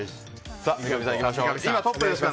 三上さん、行きましょう。